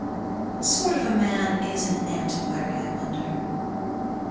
… What sort of a man is an antiquary, I wonder?